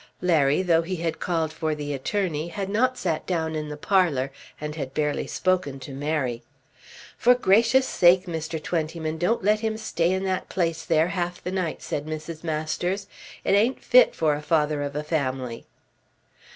Larry, though he had called for the attorney, had not sat down in the parlour, and had barely spoken to Mary. "For gracious sake, Mr. Twentyman, don't let him stay in that place there half the night," said Mrs. Masters. "It ain't fit for a father of a family."